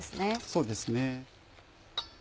そうですね。